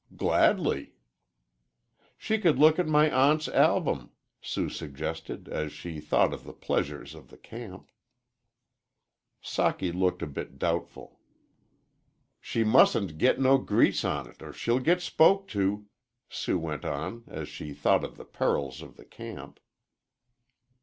"Gladly." "She could look at my aunt's album," Sue suggested, as she thought of the pleasures of the camp. Socky looked a bit doubtful. "She mustn't git no grease on it or she'll git spoke to," Sue went on as she thought of the perils of the camp.